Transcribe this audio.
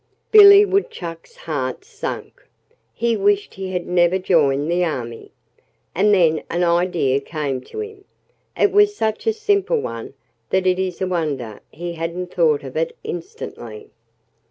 Billy Woodchuck's heart sank. He wished he had never joined the army. And then an idea came to him. It was such a simple one that it is a wonder he hadn't thought of it instantly.